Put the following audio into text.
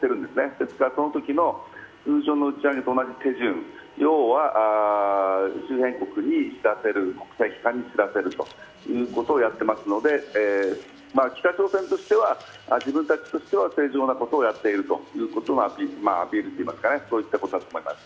ですから、そのときの通常の打ち上げと同じ手順、要は、周辺国に知らせるということをやっていますので、北朝鮮としては自分たちとしては正常なことをしているというアピールだと思います。